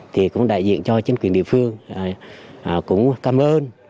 thì cũng đại diện cho chính quyền địa phương cũng cảm ơn